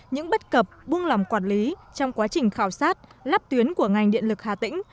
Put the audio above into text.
những bất cập buông lòng quản lý trong quá trình khảo sát lắp tuyến của ngành điện lực hà tĩnh